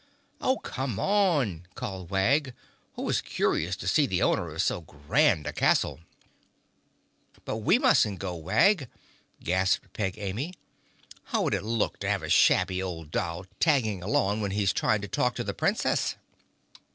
"Oh, come on!" called Wag, who was curious to see the owner of so grand a castle. "But we mustn't go, Wag," gasped Peg Amy. "How would it look to have a shabby old doll tagging along when he's trying to talk to the Princess?"